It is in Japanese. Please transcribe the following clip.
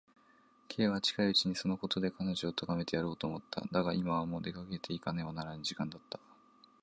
Ｋ は近いうちにそのことで彼女をとがめてやろうと思った。だが、今はもう出かけていかねばならぬ時間だった。